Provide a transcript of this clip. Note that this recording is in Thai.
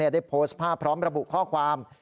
ได้โพสต์ภาพพร้อมระบุข้อความ